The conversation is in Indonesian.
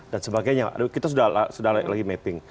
dan sebagainya kita sudah lagi mapping